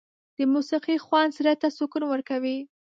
د موسيقۍ خوند زړه ته سکون ورکوي.